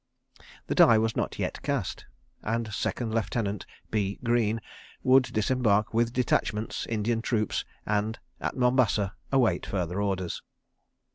The die was not yet cast, and Second Lieutenant B. Greene would disembark with detachments, Indian troops, and, at Mombasa, await further orders.